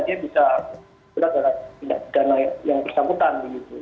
dia bisa berat dalam pindah pidana yang bersangkutan